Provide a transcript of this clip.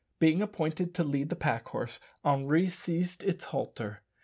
Being appointed to lead the pack horse, Henri seized its halter.